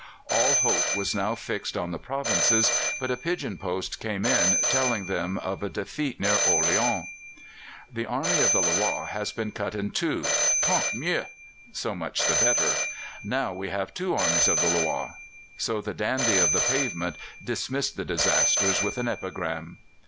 All hope was now fixed on the provinces, but a pigeon post came in, telling them of a defeat near Orleans. "The Army of the Loire has been cut in two! Tant mieux! (So much the better!) Now we have two Armies of the Loire." So the dandy of the pavement dismissed the disaster with an epigram.